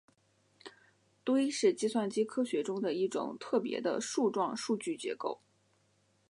堆是计算机科学中的一种特别的树状数据结构。